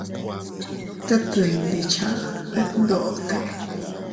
Tet dindi cha detndote.